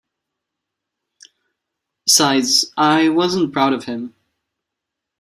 Besides, I wasn't proud of him.